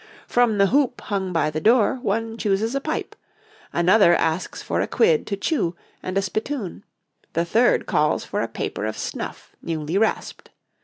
From the hoop hung by the door one chooses a pipe, another asks for a quid to chew and a spittoon, the third calls for a paper of snuff newly rasped.